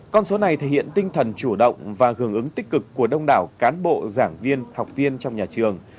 con số này thể hiện tinh thần chủ động và hưởng ứng tích cực của đông đảo cán bộ giảng viên học viên trong nhà trường